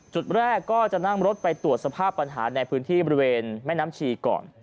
จุดแรกก็จะนั่งรถไปตรวจสภาพปัญหาในพื้นที่บริเวณแม่น้ำชีก่อน